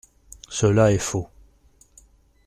Cela est faux.